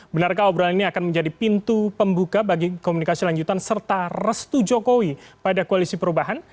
benarkah obrolan ini akan menjadi pintu pembuka bagi komunikasi lanjutan serta restu jokowi pada koalisi perubahan